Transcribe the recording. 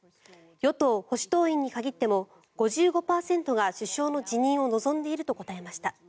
与党・保守党員に限っても５５％が首相の辞任を望んでいると答えました。